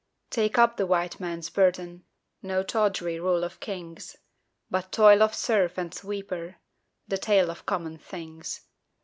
Take up the White Man's burden No tawdry rule of kings, But toil of serf and sweeper The tale of common things.